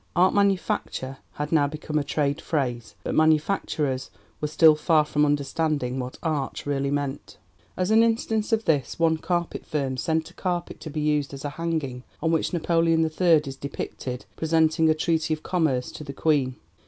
'Art manufacture' had now become a trade phrase, but manufacturers were still far from understanding what 'Art' really meant. As an instance of this, one carpet firm sent a carpet to be used as a hanging on which Napoleon III is depicted presenting a treaty of Commerce to the Queen.